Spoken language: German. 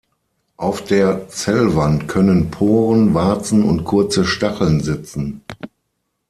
Auf der Zellwand können Poren, Warzen und kurze Stacheln sitzen.